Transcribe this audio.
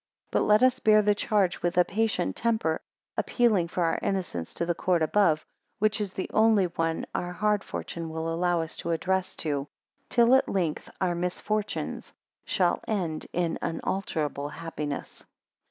3 But let us bear the charge with a patient temper, appealing for our innocence to the court above, which is the only one our hard fortune will allow us to address to, till at length our misfortunes shall end in unalterable happiness.